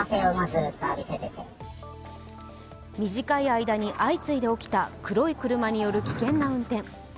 短い間に相次いで起きた黒い車による危険な運転。